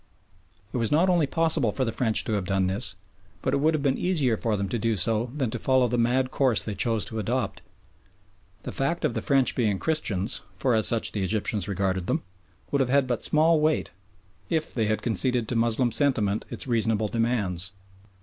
It was not only possible for the French to have done this, but it would have been easier for them to do so than to follow the mad course they chose to adopt. The fact of the French being Christians, for as such the Egyptians regarded them, would have had but small weight if they had conceded to Moslem sentiment its reasonable demands.